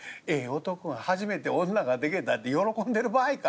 男が初めて女がでけたて喜んでる場合か？」。